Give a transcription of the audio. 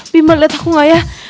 bima liat aku gak ya